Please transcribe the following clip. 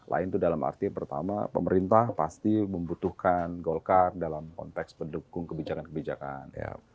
lain itu dalam arti pertama pemerintah pasti membutuhkan golkar dalam konteks pendukung kebijakan kebijakan